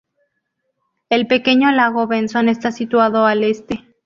El pequeño lago Benson está situado al este.